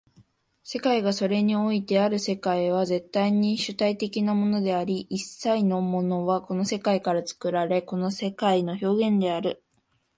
世界がそれにおいてある世界は絶対に主体的なものであり、一切のものはこの世界から作られ、この世界の表現である。